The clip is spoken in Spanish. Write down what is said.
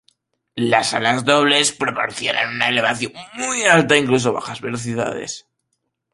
Las alas dobles proporcionaron una elevación muy alta, incluso a bajas velocidades.